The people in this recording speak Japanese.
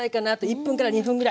１分２分ぐらい。